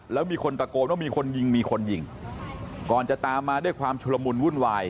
แล้วมีคนตะโกนว่ามีคนยิงมีคนยิงก่อนจะตามมาด้วยความชุลมุนวุ่นวาย